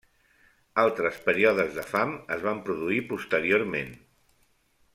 Altres períodes de fam es van produir posteriorment.